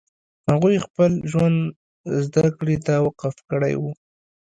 هغو خپل ژوند زدکړې ته وقف کړی و